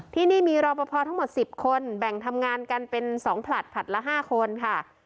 ที่นี่มีรอปภทั้งหมด๑๐คนแบ่งทำงานกันเป็น๒ผลัดผลัดละ๕คนค่ะ